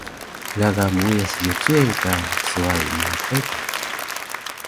Gaga muuyas yocuyen ka swai mu mqedil